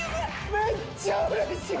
めっちゃ嬉しい！